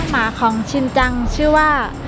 หมาของชินจังชื่อว่า